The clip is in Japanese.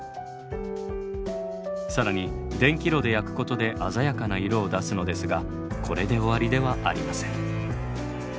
更に電気炉で焼くことで鮮やかな色を出すのですがこれで終わりではありません。